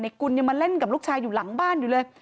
กุลยังมาเล่นกับลูกชายอยู่หลังบ้านอยู่เลย